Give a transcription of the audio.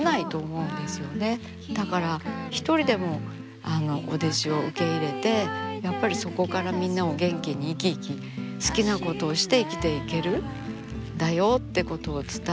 だから一人でもお弟子を受け入れてやっぱりそこからみんなを元気に生き生き好きなことをして生きていけるんだよってことを伝えられればなあって。